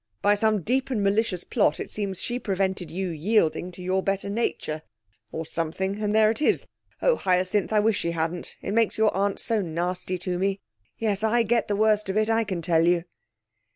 By some deep and malicious plot it seems she prevented you yielding to your better nature or something and there it is. Oh, Hyacinth, I wish she hadn't! It makes your aunt so nasty to me. Yes, I get the worst of it, I can tell you.'